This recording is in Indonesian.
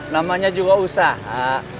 namanya juga usaha